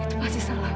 itu pasti salah